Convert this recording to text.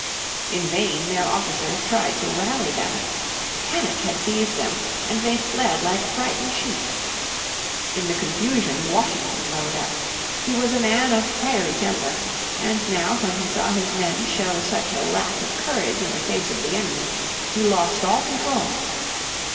In vain their officers tried to rally them; panic had seized them, and they fled like frightened sheep. In the confusion Washington rode up. He was a man of fiery temper, and now when he saw his men show such a lack of courage in the face of the enemy he lost all control.